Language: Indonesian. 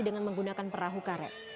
dengan menggunakan perahu karet